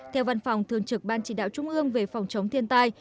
theo văn phòng thường trực ban chỉ đạo trung ương về phòng chống thiên tai